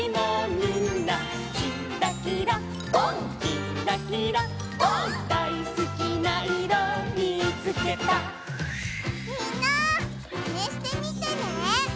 みんなマネしてみてね！